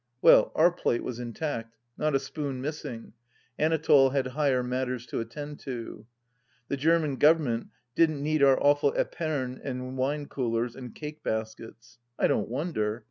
Well, our plate was intact ; not a spoon missing ! Anatole had higher matters to attend to. The German Government didn't need our awful epergnes and wine coolers and cake baskets. I don't wonder.